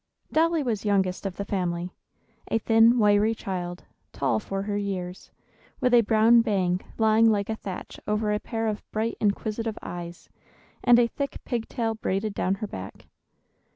Dolly was youngest of the family, a thin, wiry child, tall for her years, with a brown bang lying like a thatch over a pair of bright inquisitive eyes, and a thick pig tail braided down her back.